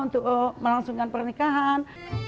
untuk melangsungkan pernikahan